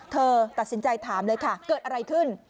เธอตัดสินใจถามเลยค่ะเกิดอะไรขึ้น